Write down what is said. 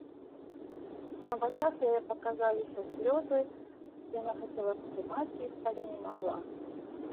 На вачах яе паказаліся слёзы, яна хацела стрымаць іх, але не магла.